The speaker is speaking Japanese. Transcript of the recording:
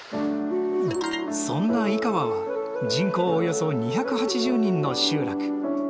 そんな井川は人口およそ２８０人の集落。